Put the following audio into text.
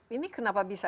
ini kenapa bisa